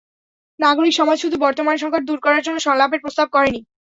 নাগরিক সমাজ শুধু বর্তমান সংকট দূর করার জন্য সংলাপের প্রস্তাব করেনি।